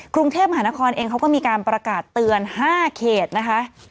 กรุงเทพมหานครเองเขาก็มีการประกาศเตือน๕เขตนะคะ